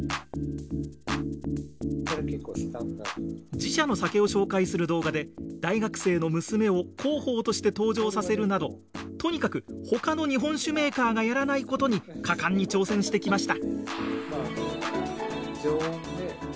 自社の酒を紹介する動画で大学生の娘を広報として登場させるなどとにかくほかの日本酒メーカーがやらないことに果敢に挑戦してきました。